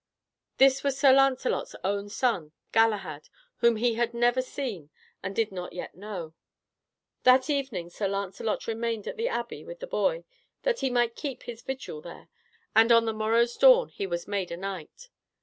This was Sir Lancelot's own son, Galahad, whom he had never seen, and did not yet know. That evening Sir Lancelot remained at the abbey with the boy, that he might keep his vigil there, and on the morrow's dawn he was made a knight.